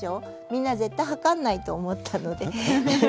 みんな絶対に量らないと思ったので。